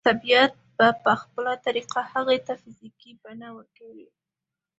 طبيعت به په خپله طريقه هغې ته فزيکي بڼه ورکړي.